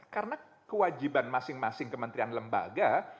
karena kewajiban masing masing kementerian lembaga